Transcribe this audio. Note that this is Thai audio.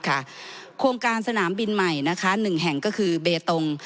โครงการสนามบินใหม่๑แห่งก็คือเบตง